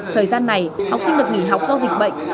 thời gian này học sinh được nghỉ học do dịch bệnh